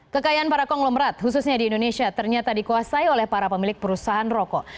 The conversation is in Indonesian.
kekayaan para konglomerat khususnya di indonesia ternyata dikuasai oleh para pemilik perusahaan rokok